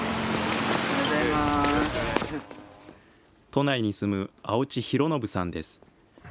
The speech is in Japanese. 都内に住む青地広信さんです。